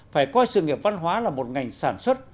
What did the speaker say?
phải coi sự nghiệp văn hóa là một ngành sản xuất